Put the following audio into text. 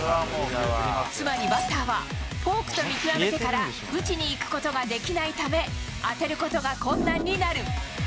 つまりバッターは、フォークと見極めてから打ちにいくことができないため、当てることが困難になる。